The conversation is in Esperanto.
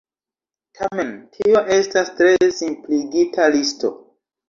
Tamen, tio estas tre simpligita listo.